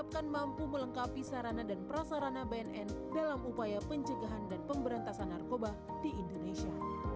kapi sarana dan prasarana bnn dalam upaya pencegahan dan pemberantasan narkoba di indonesia